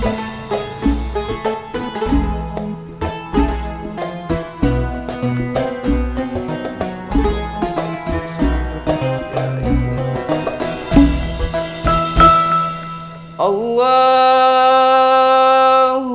jangan kalau vera tanpa duit